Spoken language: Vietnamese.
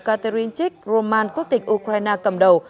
catherine chick roman quốc tịch ukraine cầm đầu